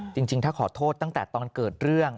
จริงถ้าขอโทษตั้งแต่ตอนเกิดเรื่อง